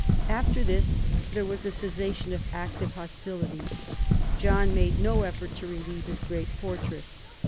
After this there was a cessation of active hostilities. John made no effort to relieve his great fortress.